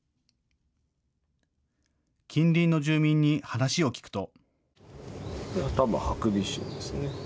近隣の住民に話を聞くと。